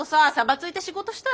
ついて仕事したら？